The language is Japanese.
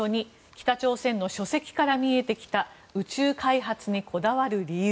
北朝鮮の書籍から見えてきた宇宙開発にこだわる理由。